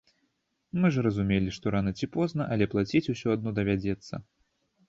Мы ж разумелі, што рана ці позна, але плаціць усё адно давядзецца.